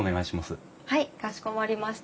はいかしこまりました。